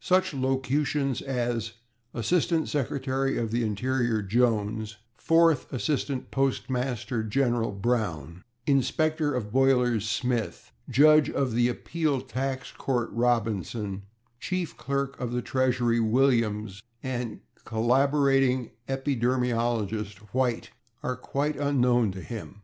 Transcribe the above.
Such locutions as /Assistant Secretary of the Interior/ Jones, /Fourth Assistant Postmaster General/ Brown, /Inspector of Boilers/ Smith, /Judge of the Appeal Tax Court/ Robinson, /Chief Clerk of the Treasury/ Williams and /Collaborating Epidermologist/ White are quite unknown to him.